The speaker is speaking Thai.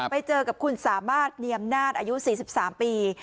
ครับไปเจอกับคุณสามารถเนียมนาฬอายุสี่สิบสามปี